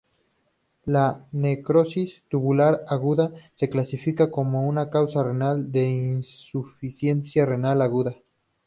La necrosis tubular aguda se clasifica como una causa renal de insuficiencia renal aguda.